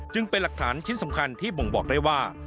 เป็นหลักฐานชิ้นสำคัญที่บ่งบอกได้ว่า